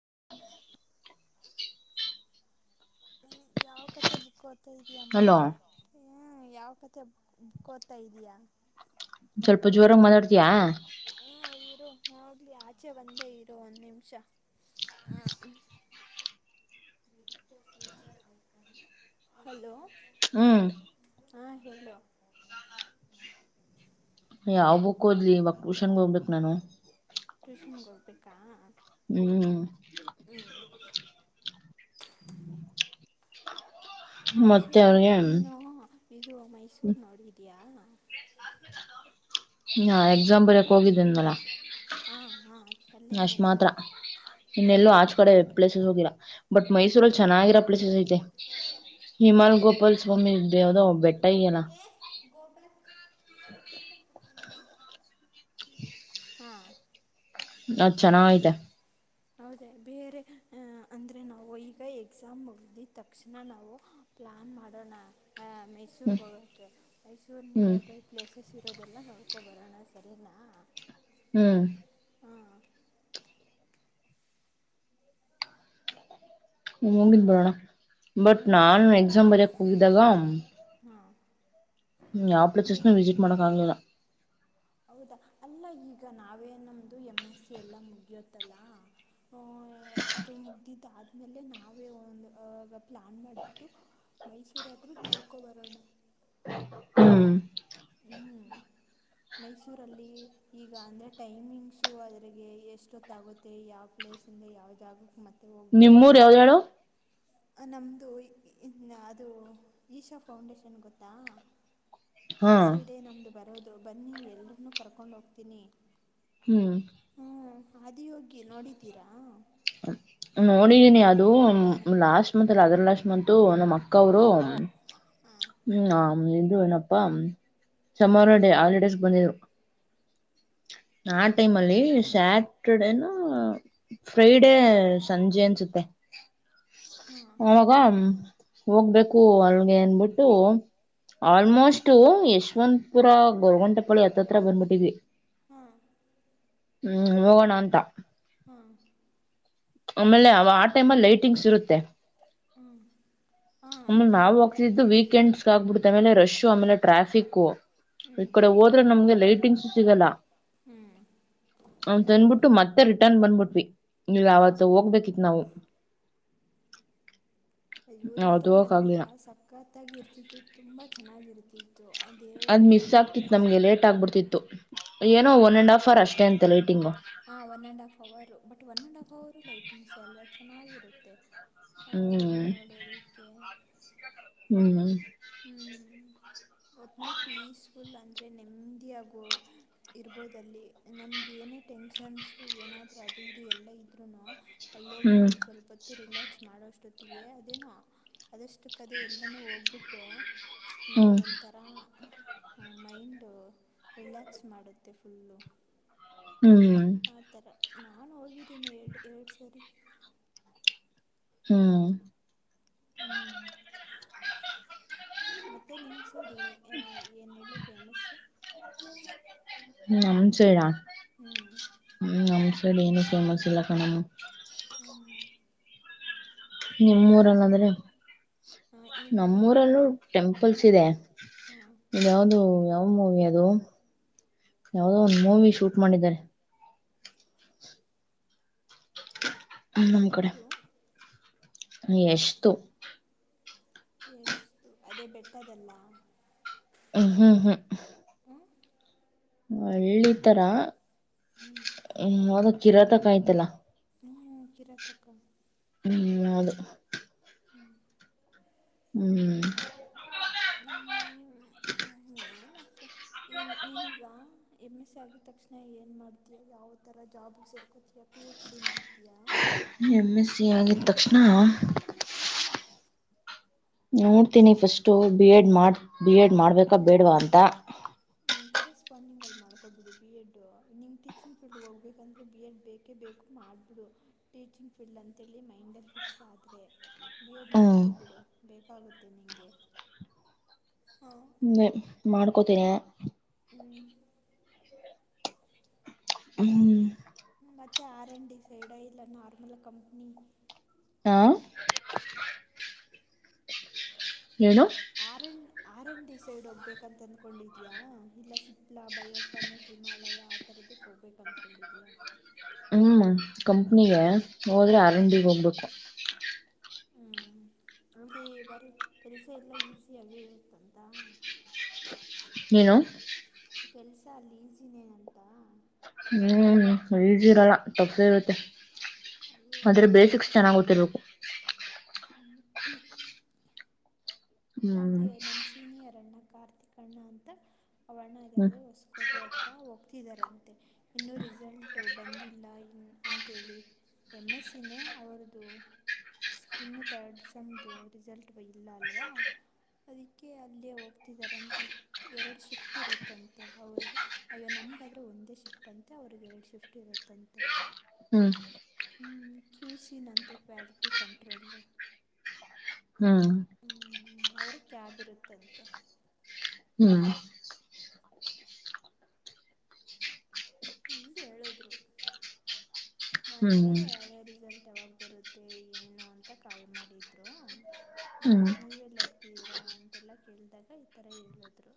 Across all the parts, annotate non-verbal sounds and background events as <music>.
<inaudible> ಹ್ಮ ಯಾವ ಕತೆೆ ಬುಕ್ ಓದ್ತಾ ಇದಿಯಾ ಅಮ್ಮ. ಅಲೋ ಹ ಯಾವ ಕಥೆ <unintelligible> ಓದ್ತಾ ಇದಿಯಾ. ಸ್ವಲ್ಪ ಜೋರಾಗ ಮಾತಾಡ್ತಯಾ. ಹ್ಮ ಇರು ಹೋಗಲಿ ಆಚೆ ಒಂದೇ ಇರು ಒಂದ್ ನಿಮಿಷ. ಆ. ಹಲೋ. ಹ್ಮ್. ಹಾ ಹೇಳು. ಯಾವ ಬುಕ್ ಹೋದ್ಲಿ ಇವ್ಗ ಟುಷನ್ಗ ಹೋಗ್ಬೇಕು ನಾನು. ಟ್ಯೂಷನ್ಗ ಹೋಗ್ಬೇಕಾ. ಹ್ಮ್. ಹ್ಮ್. ಮತ್ತೆ ಮೈಸೂರ್ಗ ಅವ್ರಿಗೆ ನೀನು ಇದು ಮೈಸೂರು ನೋಡಿದಿಯಾ. ನಾ ಎಕ್ಸಾಮ ಬರೀಕ್ ಹೋಗಿದ್ದೇನ್ ಅಲ. ಹಾ ಹಾ ಅಲ್ಲೇನಾಯ್ತು. ಇನ್ನೆಲ್ಲೂ ಆಚ್ ಕಡೆ ಪ್ಲೇಸಸ್ ಹೋಗಿಲ್ಲ ಬಟ್ ಮೈಸೂರಲ್ಲಿ ಚೆನ್ನಾಗಿರೋ ಪ್ಲೇಸಸ್ ಐತೆ. ಹಿಮಾಲ್ ಗೋಪಾಲ್ ಸ್ವಾಮಿ ಇದ್ದ ಯಾವ್ದೋ ಬೆಟ್ಟ ಈಯ್ಲ್ಲ. ಏ ಗೋ ಬ್ಯಾಕ್. <inaudible> <inaudible> ಹಾಂ ನಾ ಚೆನ್ನಾತೆ. ಹೌದೇ ಬೇರೆ ಅಂದ್ರೆ ನಾವು ಈಗ ಎಕ್ಸಾಮ್ ಮುಗದಿದ್ದ ತಕ್ಷಣ ನಾವು, ಪ್ಲ್ಲಾನ್ ಮಾಡೋಣ ಹ್ಮ್ ಮೈಸೂರ್ರಿಗ ಹೋಗೋಕ್ಕೆೆ. ಮೈಸೂರು ಹ್ಮ್ ನಿಯರ್ ಬೈ ಪ್ಲೇಸಸ್ ಇರೋದೆಲ್ಲ ನೋಡ್ಕೊ ಬರೋಣ ಸರಿನಾ. ಹ್ಮ್. ಹಾಂ ಹೋಗಿದ್ಬಿಟ್ಟು ಬರೋಣ ಬಟ್ ಹ್ಞೂ ನಾನು ಎಕ್ಸಾಮ್ ಬರಯಕ್ ಹೋಗಿದ್ದಾಗ ಹಾಂ ಯಾವ್ ಪ್ಲೇಸಸ್ ವಿಸಿಟ್ ಮಾಡಕ್ಕ ಆಗ್ಲಿಲ್ಲ. ಹೌದಾ ಅಲ್ಲ ಈಗ ನಾವೇ ನಮ್ದು ಎಂ ಎಸ್ ಸಿ ಎಲ್ಲ ಮುಗಿಯತ್ತಲ್ಲಾ. ಹ್ಮ್ ಏ ಮುಗ್ದದಿದ್ದ ಆ ಆಮೇಲೆ ನಾವೇ ಒಂದು ಹ ಪ್ಲ್ಯಾನ್ ಮಾಡಿಬಿಟ್ಟು ಮೈಸೂರಾದರೂ ನೋಡ್ಕೊಬರೋಣ. ಹ್ಮ್. ಹ್ಮ್. ಮೈಸೂರಲ್ಲಿ ಈಗ ಅಂದರೆ ಟೈಮಿಂಗ್ಸು ಅದರಿಗೆ ಎಷ್ಟೊತ್ತಾಗುತ್ತೆ ಮತ್ತೆ ಯಾವ ಪ್ಲೇಸ್ಂದ ಯಾವ ಜಾಗಕ್ಕೆ ಮತ್ತೆ ಹೋಗ್ಬೇಕು. ನಿಮ್ಮೂರ್ ಯಾವ್ದ ಹೇಳು ನಮ್ಮದು ಅದು ಈಶಾ ಫೌಂಡೇಶನ್ ಗೊತ್ತಾ ಹಾ ಆಸೀಡೇ ನಮ್ದು ಬರೋದು ಬನ್ನಿ ಎಲ್ಲರನ್ನೂ ಕರ್ಕೊಂಡ ಹೋಗ್ತೀನಿ ಹ್ಮ್ ಹಾ ಅದಿ ಹೋಗಿ ನೋಡಿದ್ದೀರಾ ನೋಡಿದೀನಿ ಅದು ಮ್ ಲಾಸ್ಟ್ ಮಂತಲ್ಲ ಅದುರ್ಲಾಸ್ಟ್ ಮಂತು ನಮ್ಮಕ್ಕವ್ರು ಹಾಂ ಹ್ಮ್ ಆ ಇದು ಏನಪ್ಪ ಸಮ್ಮಾರೋ ಡೇ ಹಾಲಿಡೇಸ್ಗ್ ಬಂದಿದ್ರು ಆ ಟೈಮ್ ಅಲ್ಲಿ ಸ್ಯಾಟ್ರ್ಡೇನು ಫ್ರೈಡೇ ಸಂಜೆ ಅನ್ಸುತ್ತೆ ಹಾಂ ಉಂ ಅಂ ಹೋಗ್ಬೇಕು ಅಲ್ಗೆ ಅನ್ಬುಟ್ಟು ಹಾಂ ಆಲ್ಮೋಸ್ಟ್ ಯಶವಂತಪುರ ಗೊರ್ಗುಂಟೇಪಾಳ್ಯ ಹತ್ತತ್ರ ಬಂದ್ಬಿಟ್ಟಿದ್ವಿ ಹಾಂ ಹ್ಮ್ ಹೋಗಣ ಅಂತ ಹಾ ಆಮೇಲೆ ಅವ ಆ ಟೈಮಲೈಟಿಂಗ್ಸ್ ಇರುತ್ತೆ ಹ್ಮ್ ಆಮೇಲ್ ನಾವು ಹೋಗ್ತಿದ್ದು ವೀಕೆಂಡ್ಸ್ ಆಗ್ಬಿಡುತ್ತೆ ಆಮೇಲೆ ರಶ್ಶು ಆಮೇಲೆ ಟ್ರಾಫಿಕ್ಕು ಹ್ಞೂ ಈ ಕಡೆ ಓದ್ರೆ ನಮ್ಗೆ ಲೈಟಿಂಗ್ಸು ಸಿಗಲ್ಲ ಹ್ಞೂ ಅವತಂದ್ಬಿಟ್ಟು ಮತ್ತೆ ರಿಟನ್ ಬಂದ್ಬಿಟ್ವಿ ನೀವ ಆವತ್ತು ಹೋಗ್ಬೇಕಿತ್ ನಾವು ಅಯ್ಯೋ ಅವತ್ ರಿಟರ್ನ್ ಹೋಗಕ್ ಆಗ್ಲಿಲ್ಲ ಬಂದ್ಬಿಟ್ರಾ ಸಕ್ಕತ್ತಾಗ್ ಇರ್ತಿತ್ತು ತುಂಬ ಚೆನ್ನಾಗಿರ್ತಿತ್ತು ದು ಅ ಅದ್ ದೇವ್ರ್ದು ಮಿಸ್ ಆಗ್ತಿತ್ ನಮ್ಗೆ ಲೈಟಿಂಗ್ಸೆಲ್ಲ ಲೇಟ್ ನೋಡಕ್ಕೆ ಆಗ್ಬಿಡ್ತಿತ್ತು ಏನೋ ಒನ್ ಅಂಡ್ ಹಾಫರ್ ಅಷ್ಟೇ ಅಂತೆ ಲೈಟಿಂಗು ಹಾ ಒನ್ನಂಡ್ ಹಾಫ್ ಅವರು ಬಟ್ ಒನ್ನಂಡ್ ಹಾಫ್ ಅವರ್ರು ಲೈಟಿಂಗ್ಸೇ ಅಲ್ವಾ ಚೆನ್ನಾಗಿರುತ್ತೆ ಹ್ಮ್ ಅದನ್ನೋಡೋದಕ್ಕೆ ಹ್ಮ್ ಹ್ಮ್ <inaudible> ಟ್ನಲ್ ಪೀಸ್ಫುಲ್ ಅಂದ್ರೆ ನೆಮ್ದಿ ಯಾಗು ಇರ್ಬೋದಲ್ಲಿ ನಮ್ಗೇನೇ ಟೆನ್ಷನ್ಸ್ ಏನಾದ್ರು ಅದು ಇದು ಎಲ್ಲ ಇದ್ರುನು ಅಲ್ಲೋಗಿ ಹ್ಮ್ ನೀನ್ ಸ್ವಲ್ಪೊತ್ತು ರಿಲ್ಯಾಕ್ಸ್ ಮಾಡೋಷ್ಟೊತ್ತಿಗೆ ಅದೇನೋ ಅಷ್ಟು ಕದ ಎಲ್ಲನೂ ಹೋಗ್ಬಿಟ್ಟು ನಮ್ದೊಂಥರ ಮೈಂಡು ರಿಲ್ಯಾಕ್ಸ್ ಮಾಡುತ್ತೆ ಫುಲ್ಲು ಹ್ಮ್್ಮ ಆ ಥರ ನಾನು ಹೋಗಿದ್ದೀನಿ ಎರಡು ಎರಡು ಸರಿ ಹ್ಮ ಹ್ಮ್ ಮತ್ತೆ ನಿಮ್ಮಸೆಡಿ ಏನು ಹೇಳು ಫೇಮಸ್ ಹ್ಮ ನಮ್ ಸೇಡಾ ಹ್ಞೂ ಹ್ಮ್ ನಮ್ಸಡ್ ಏನು ಫೇಮಸ್ ಇಲ್ಲ ಕಣನು ಹ ನಿಮ್ಮ್ ಊರಲ್ಲಂದ್ರೆ ಈಗ ನಿನ್ನದು ನಮ್ಮೂರಲ್ಲೂ ಟೆಂಪಲ್ಸ್ ಇದೆ ಇ ಯಾವ್ದ ಯಾವ ಮೂವಿ ಅದು ಯಾವದೋ ಒಂದು ಮೂವಿ ಶೂಟ್ ಮಾಡಿದ್ದಾರೆ ಹ ನಮ್ ಕಡೆ ಯಾವುದು ಯಸ್ದು ಎಷ್ಟು ಅದೇ ಬೆಟ್ಟದಲ್ಲ ಹಾ ಹಹ ಹ್ಞೂ ಹಳ್ಳಿ ತರ ಹ ಅದ ಕಿರಾತ ಕಾಯ್ತಲ್ಲ ಹ್ಮ್ ಕಿರಾತಕ ಹ್ಮ್ ಹೌದು ಹ್ಮ್ ಹ್ಮ್ <unintelligible> ಏನು ಈ ನೀನೀಗ ಎಮ್ ಎಸ್ ಸಿ ಆಗಿದ ತಕ್ಷಣ ಏನು ಮಾಡ್ತೀಯ ಯಾವ ಥರ ಜಾಬಗೆ ಸರ್ಕೋತ ಯ ಪಿ ಹೆಚ್ ಡಿ ಮಾಡ್ತೀಯಾ ಎಮ್ ಎಸ್ ಸಿ ಆಗಿದ ತಕ್ಷಣ ನೋಡ್ತೀನಿ ಫಿರ್ಸ್ಟ್ ಬಿ ಎಡ್ ಮಾಡ ಬಿ ಎಡ್ ಮಾಡ್ಬೇಕ ಬೇಡವಾ ಅಂತ ಹ್ಮ್ ಕರೆಸ್ಪಾಂಡಿಂಗ್ ಅಲ್ಲಿ ಮಾಡ್ಕೊಬಿಡು ಬಿ ಎಡ್ ನಿಮ್ ಟೀಚಿಂಗ್ ಫೀಲ್ಡ್ ಹೋಗಬೇಕಂದ್ರೆ ಬಿ ಎಡ್ ಬೇಕು ಕೆ ಬೇಕು ಮಾಡಿಬಿಡು ಟೀಚಿಂಗ್ ಫೀಲ್ಡ್ ಅಂತೇಳಿ ಮೈಂಡಲ್ಲಿ ಫಿಕ್ಸ್ ಆದ್ರೆ ಬಿ ಎಡ್ ಹ್ಮ್ ಮಾಡ್ಕೊಡ್ಬಿಡು ಬೇಕಾಗುತ್ತೆ ನಿಂಗೆ ಆ ಮೇ ಮಾಡ್ಕೋತೀನೆ ಹ್ಮ್ ಹ್ಮ್ ಮತ್ತೆ ಆರ್ ಆಂಡ್ ಡಿ ಸೈಡ್ ಇಲ್ಲ ನಾರ್ಮಲ್ ಕಂಪ್ನಿ ಹಾ ಏನು ಅರಣ ಆರ್ಯ ಡಿ ಸೈಡ್ ಹೋಗ್ಬೇಕಂತ ಅಂದ್ಕೊಂಡಿದ್ಯಾ ಇಲ್ಲ ಸಿಪ್ಲಾ ಬಯೋಕಮ ಹಿಮಾಲಯ ಅಥರುಡುಕ್ ಹೋಗ್ಬೇಕು ಅಂದ್ಕೊಂಡಿದಯಾ ಹ್ಮ್ ಕಂಪ್ನಿಗೆ ಹೋದ್ರೆ ಆರ್ ಎನ್ ಡಿಗೆ ಹೋಗ್ಬೇಕು ಹ್ಮ್ ಆಂಟಿ ಬರೀ ಕೆಲಸ ಎಲ್ಲ ಈಸಿಯಾಗೇ ಇರುತ್ತಂತ ಏನು ಕೆಲಸ ಅಲ್ಲಿ ಈಸಿನೇ ಅಂತ ಹ್ಮ ಈಸಿ ಇರಲ್ಲ ಟಫ್ ಇರುತ್ತೆ ಅಯ್ಯೋ ಅದ್ರ ಬಸಿಕ್ಸ್ ಚೆನ್ನಾಗ್ ಗೊತ್ತಿರ್ಬೇಕು ಹ್ಮ್ ಹ್ಮ್ ಅದೇ ನಮ್ಮ ಸೀನಿಯರ್ ಅಣ್ಣ ಕಾರ್ತಿಕ್ ಅಣ್ಣ ಅಂತ ಅವಣ್ಣ ಅ ಯಾವ್ದೋ ಹೊಸ್ಕ ಕೋಟೆ ಹತ್ರ ಹೋಗ್ತಿದ್ದಾರಂತೆ ಇನ್ನೂ ರಿಸಲ್ಟು ಬಂದಿಲ್ಲ ಇನ್ ಅಂತೇಳಿ ಏಮ್ಮೆಸ್ಸಿನೇ ಅವರ್ದು ಇನ್ನು ತರ್ಡ್ ಸಮ್ದು ರಿಸಲ್ಟ್ ಇಲ್ಲ ಅಲ್ವಾ ಅದಕ್ಕೆ ಅಲ್ಲಯೇ ಹೋಗ್ತಿದ್ದಾರಂತೆ ಎರಡು ಶಿಫ್ಟ್ ಇರುತ್ತಂತೆ ಮತ್ತು ಅವರಿಗೆ ಅಯ್ಯೋ ನಮ್ಗಾದ್ರೆ ಒಂದೇ ಶಿಫ್ಟ್ ಅಂತೆ ಅವ್ರರಿಗೆ ಎರಡು ಶಿಫ್ಟ್ ಇರುತ್ತಂತೆ ಹ್ಮ್ ಹ್ಮ್ ಕ್ಯೂಸೀನಂತೆ ಕ್ವಾಲಿಟಿ ಕಂಟ್ರೋಲ್ ಹ್ಮ್ ಹ್ಮ್ ಅವ್ರುಗೆ ಕ್ಯಾಬ್ ಇರುತ್ತಂತೆ ಹ್ಮ್ ಹ್ಮಗೆ ಹೇಳುದ್ರು ಮೊನ್ನೆ ಹ್ಮ್ ಅದೇ ರಿಸಲ್ಟ್ ಬರುತ್ತೆ ಏನು ಅಂತ ಕಾಲ್ ಮಾಡಿದ್ರು ಹ್ಮ್ ನೀವ ರಾ ಅಂತೆಲ್ಲಾ ಕೇಳ್ದಾಗ ಈ ತರ ಹೇಳದ್ರು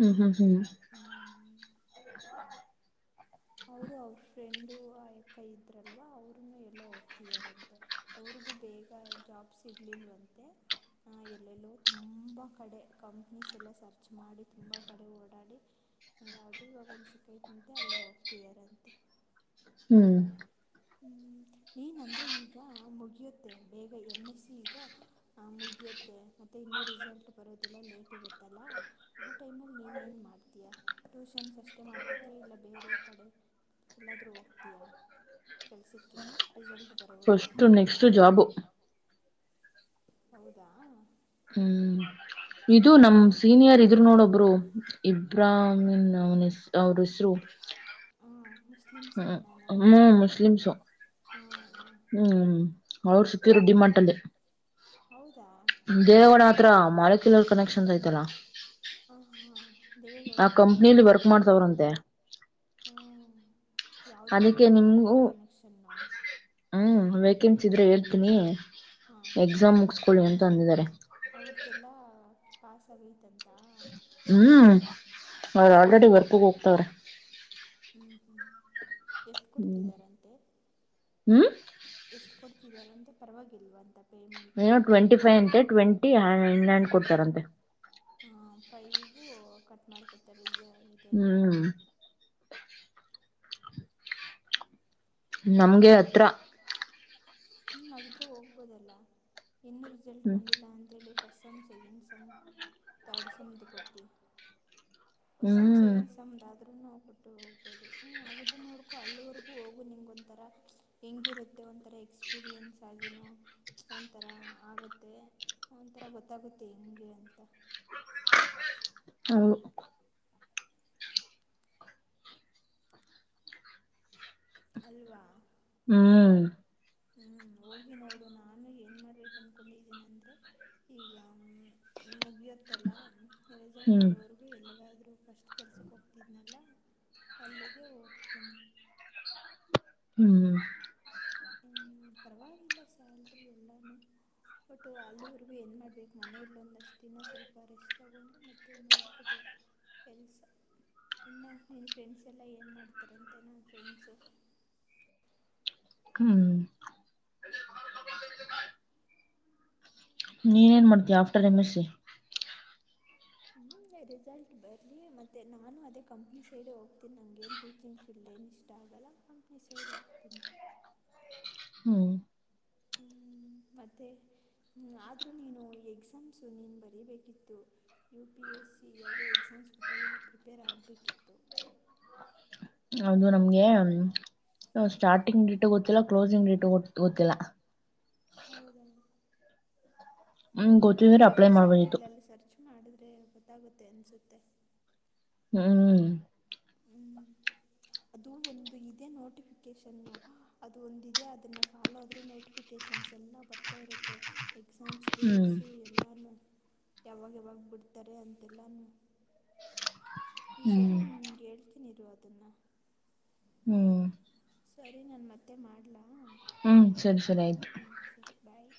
ಹ್ಮ್ ಹ್ಮ ಹ್ಮ್ ಹ್ಮ್ <inaudible> ಅವರು ಅವ್ರ ಫ್ರೆಂಡು ಆ ಕೈ ಇದ್ರಲ್ವ ಅವರುನು ಎಲ್ಲೋ ಹೋಗ್ತಿದಾರಂತೆ ಅವ್ರಿಗು ಬೇಗ ಜಾಬ್ಸ್ ಇರ್ಲಿಲ್ವಂತೆ ಎಲ್ಲೆಲ್ಲೋ ತುಂಬ ಕಡೆ ಕಂಪ್ನೀಸ್ ಎಲ್ಲ ಸರ್ಚ್ ಮಾಡಿ ತುಂಬ ಕಡೆ ಓಡಾಡಿ ಯಾವ್ದೂ ಇವಾಗ ಒಂದ್ ಸಿಕ್ಕೈತ್ಂತೆ ಅಲ್ಲೇ ಹೋಗ್ತಿದಾರಂತೆ ಹ್ಮ್ ಎನಂದರೆ ಈಗ ಮುಗಿಯುತ್ತೆ ಬೇಗ ಎಮ್ ಎಸ್ ಸಿ ಈಗ ಹ ಮುಗಿಯುತ್ತೆ ಮತ್ತೆ ಇನ್ನುೂ ರಿಸಲ್ಟ್ ಬರೋದೆಲ್ಲ ಲೇಟ್ ಇರುತ್ತಲ್ಲ ಆ ಟೈಮಲ್ಲಿ ನೀನೇಏನು ಮಾಡ್ತೀಯಾ ಟ್ಯೂಷನ್ಸ್ ಅಷ್ಟೇ ಮಾಡ್ಕೊತೀಯಾ ಇಲ್ಲ ಬೇರೆ ಕಡೆ ಎಲ್ಲಾದರೂ ಹೋಗ್ತೀಯಾ ಕೆಲ್ಸಕ್ಕೆ ರಿಸಲ್ಟ್ ಬರೋವರೆಗೂ ಫಸ್ಟ್ ನೆಕ್ಸ್ಟ್ ಜಾಬು ಹೌದಾ ಹ್ಮ್ ಈಗ ಇದು ನಮ ಸ್ಟಾರ್ಟಿಂಗ್ ಸೀನಿಯರ್ ಇ ಇದರು ನೋಡ ಒಬ್ರು ಇಬ್ರಾಹಾಮನ್ ಅವನ ಅವ್ರ ಹೆಸರು ಹಾಂ ಮುಸ್ಲಿಮ್ಸ್ ಹ ಅಣ್ಣನಾ ಹ ಮು ಮುಸ್ಲಿಮ್ಸು ಹಾಂ ಹಾಂ ಹ್ಮ್ ಅವರು ಸಿಕ್ಕಿದ್ರು ಡಿ ಮಾರ್ಟ್ ಅಲ್ಲಿ ಹೌದಾ ದೇವಾಣ ಹತ್ರ ಮಾಳಕಲರ್ ಕನೆಕ್ಷನ್ಸ್ ಆಯ್ತಲ್ಲಾ ಹಾ ಹಾ ದೇವೇಗೌಡ ಪೆಟ್ರೋಲ್ ಕಂಪ್ನಿಲಿ ಬಂಕ್ ವರ್ಕ್ ಹತ್ರ ಮಾಡ್ತವ್ರಂತೆ ಹುಂ ಯಾವುದೋ ಅದಕ್ಕೆ ನಿಮ್ಗೂ ಮಲ್ಕಲರ್ ಕನೆಕ್ಷನ್ನು ಹ್ಮ್ ವೇಕೆನ್ಸಿ ಇದ್ರೆ ಹೇಳ್ತೀನಿ ಹಾಂ ಎಕ್ಸಾಮ್ ಮುಗಸ್ಕೊಳ್ಳಿ ಅಂತ ಅಂದಿದ್ದಾರೆ ಅವ್ರ್ದೆಲ್ಲ ಪಾಸ ಆಗಲೈತಂತೆ ಹ್ಮ್ ಅವ್ರ ಆಲ್ರೆಡಿ ವರ್ಕಗ ಹೋಗ್ತವ್ರೆ ಹ್ಮ್ ಹ್ಮ್ ಎಷ್ಟು ಕೊಡ್ತಿದಾರಂತೆ ಹ್ಮ್ ಎಷ್ಟು ಕೊಡ್ತಿದಿದ್ದಾರೆ ಅಂತೆ ಪರವಾಗಿಲ್ವಾ ಅಂತ ಏನು ಟ್ವೆಂಟಿ ಫೈ ಅಂತೆ ಟ್ವೆಂಟಿ ಇನ್ ಹಂಡ್ ಕೊಡ್ತಾರಂತೆ ಹ ಫೈಗ ಕಟ್ ಮಾಡ್ಕೊತಾರೆ ಈ ಇದೆಲ್ಲಾನು ಹ್ಮ್ ನಮ್ಗೆ ಹ್ಞೂ ಹತ್ರ ಹ್ಞೂ ನಾವಿದ್ರೂ ಹೋಗ್ಬೋದಲ್ಲ ಇನ್ನೂ ರಿಸಲ್ಟ್ ಹ್ಮ್ ಬಂದಿಲ್ಲ ಅಂತೇಳಿ first sem second sem third ಸೆಮ್ದು ಕೊಟ್ಟಿ ಹೊಸಂ ಹ್ಮ್ ಚೆಯನ್ಸಂ ದಾಾದರ ನಾವು ಪುಟ್ಟ ಹೋಗ್ಬಹದು ಹ್ಮ್ ಹಾಗಿದ್ರೆ ನೋಡ್ಕು ಅಳ್ಳೂವರ್ಗು ಹೋಗು ನಿಂಗ್ದ ಒಂಥರ ಹೆಂಗಿರುತ್ತೆ ಒಂಥರ ಎಕ್ಸ್ಪೀರಿಯೆನ್ಸ್ ಆಗಿನು ಒಂಥರ ಆಗತ್ತೆ ಒಂಥರ ಗೊತ್ತಾಗುತ್ತೆ ಹೆಂಗೆ ಅಂತ ಹ ಅಲ್ವಾ ಹ್ಮ್ ಹ್ಮ್ ಹೋಗಿ ನೋಡು ನಾನು ಏನ್ ಮಾಡ್ಬೇಕು ಅನ್ಕೊಂಡಿದ್ದೇನ ಅಂದ್ರೆ ಈಗ ಹ ಮುಗಿಯತ್ತಲ್ಲ ರಿಸಲ್ಟ್ ಹ್ಮ್ ಬರೋವರೆಗೂ ಅವರು ಎಲ್ಲಿಗಾದರೂ ಫಸ್ಟ್ ಕೆಲ್ಸಕ್ಕೆ ಹೋಗ್ತಿದ್ನಲ್ಲ ಅಲ್ಲಿಗೆ ಹೋಗ್ತೀನಿ ಹ್ಮ್ ಪ್ರಭಾವಂದ ಸಾಲರಿ ಎಲ್ಲಾನ ಬಟ್ಟು ಅಲ್ಲಿವರುಗೂ ಏನು ಮಾಡ್ಬೇಕು ಮನೇಲ್ಲ ಒಂದಷ್ಟು ದಿನ ಸ್ವಲ್ಪ ರೆಸ್ಟ್ ತಗೊಂಡು ಮತ್ತೆ ನೋಡ್ಿಕೊಟ್ು ಕೆಲಸ ಇನ್ನು ನೀನು ಫ್ರೆಂಡ್ಸ್ ಎಲ್ಲ ಏನು ಮಾಡ್ತಾರಂತೆ ನಮ್ಮ ಫ್ರೆಂಡ್ಸು ಹ್ಮ್ ನೀನ್ ಏನ್ ಮಾಡ್ತೀವಿ ಆಫ್ಟರ್ ಎಮ್ ಎಸ್ ಸಿ ಹ್ಞೂ ರಿಸಲ್ಟ್ ಬರಲಿ ಮತ್ತ ನಾನು ಅದೇ ಕಂಪ್ನಿ ಸೈಡ್ ಹೋಗ್ತೀನಿ ನನಗೇನು ಟೀಚಿಂಗ್ ಇಷ್ಟ ಆಗಲ್ಲ ಕಂಪ್ನಿ ಸೈಡ್ ಹೋಗ್ತೀನಿ ಹ್ಮ ಮತ್ತೆ ್ ಆದರೂ ನೀನು ಎಕ್ಸಾಮ್ಸು ನೀನು ಬರೀಬೇಕಿತ್ತು ಯು ಪಿ ಎಸ್ ಸಿ ಯಾವುದೋ ಎಕ್ಸಾಮ್ಸ್ ಕೊಟ್ಟಾಗೆಲ್ಲ ಪ್ರಿಪೇರ್ ಆಗಬೇಕಿತ್ತು ಅದು ನಮ್ಗೆ ಸ್ಟಾರ್ಟಿಂಗ್ ಡೇಟ ಗೊತ್ತಿಲ್ಲ ಕ್ಲೋಸಿಂಗ್ ಡೇಟ ಗೊತ್ತಿಲ್ಲ ಹೌದೀ ಹ್ಮ್ ಅದು ಗೊತ್ತಿದ್ರೆ ಅಪ್ಲೈ ಮಾಡ್ಬೋದಿತ್ತು ವೆಬ್ಸೈಟ್ಗಳಲ್ಲಿ ಸರ್ಚ್ ಮಾಡಿದ್ರೆ ಗೊತ್ತಾಗುತ್ತೆ ಅನಿಸುತ್ತೆ ಹ್ಮ್ ಹ್ಮ್ ಅದು ಒಂದು ಇದೆ ನೋಟಿಫಿಕೇಶನ್ ಅದು ಒಂದ ಅದನ್ನ ಫಾಲೋ ಆದ್ರೆ ನೋಟಿಫಿಕ ಲಕೇಶನ್ಸ್ ಎಲ್ಲ ಬರ್ತಾ ಇರುತ್ತೆ ಎಕ್ಸಾಮ್ಸ್ ಹ್ಮ್ ಡೇಟ್ಸು ಎಲ್ಲೂ ಯಾವಾಗ ಯಾವಾಗ ಬಿಡ್ತಾರೆ ಅಂತೆಲ್ಲ ನೀ ಸರಿ ಹ್ಮ್ ನಿನ್ಗೆ ಹೇಳ್ತೀನಿ ಇರ ಅದನ್ನ ಹ್ಮ್ ಸರಿ ನನ್ ಮತ್ತೆ ಮಾಡ್ಲಾ ಹ್ಮ್ ಸರಿ ಸರಿ ಆಯ್ತು ಹ್ಞ ಸರಿ ಬಾಯಿ